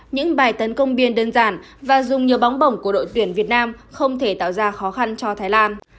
những bài tấn công biên đơn giản và dùng nhiều bóng bổng của đội tuyển việt nam không thể tạo ra khó khăn cho thái lan